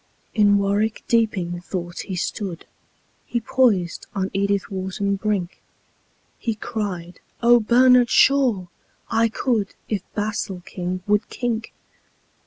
In warwick deeping thought he stood He poised on edithwharton brink; He cried, "Ohbernardshaw! I could If basilking would kink."